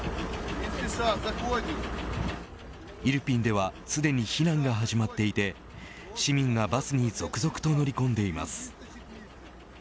イルピンではすでに避難が始まっていて市民がバスに続々と乗り込んでいます。